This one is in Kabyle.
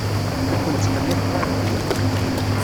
Ur ken-ttqelliqeɣ ara.